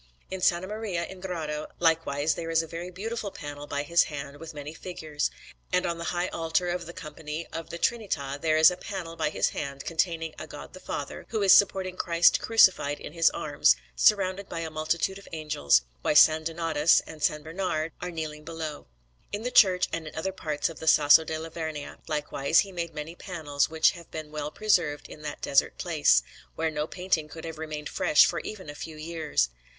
In S. Maria in Grado, likewise, there is a very beautiful panel by his hand with many figures; and on the high altar of the Company of the Trinità there is a panel by his hand containing a God the Father, who is supporting Christ Crucified in His arms, surrounded by a multitude of angels, while S. Donatus and S. Bernard are kneeling below. In the church and in other parts of the Sasso della Vernia, likewise, he made many panels, which have been well preserved in that desert place, where no painting could have remained fresh for even a few years.